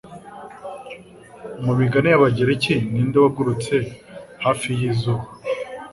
Mu migani y'Abagereki, ninde wagurutse hafi y'izuba?